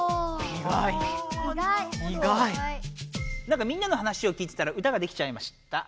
なんかみんなの話を聞いてたら歌ができちゃいました。